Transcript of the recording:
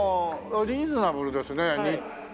ああリーズナブルですね。